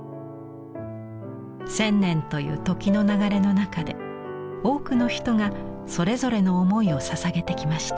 千年という時の流れの中で多くの人がそれぞれの思いをささげてきました。